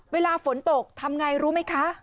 เวลาฝนตกทำไงรู้ไหมคะ